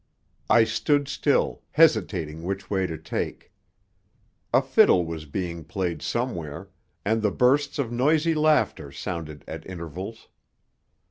I stood still, hesitating which way to take. A fiddle was being played somewhere, and the bursts of noisy laughter sounded at intervals.